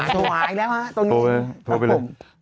โทรหาอีกแล้วโทรไปเลย